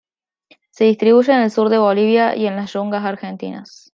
Se distribuye en el sur de Bolivia y en las yungas argentinas.